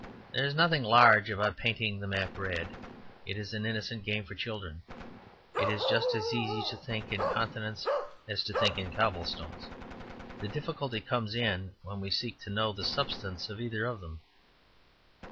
There is nothing large about painting the map red; it is an innocent game for children. It is just as easy to think in continents as to think in cobble stones. The difficulty comes in when we seek to know the substance of either of them.